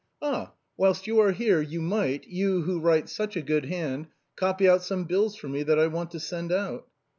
Ah ! whilst you are here, you might, you who write such a good hand, copy out some bills for me that I want to send out."